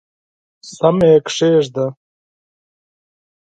سم یې کښېږده !